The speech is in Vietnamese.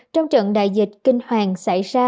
trong trận đại dịch kinh hoàng xảy ra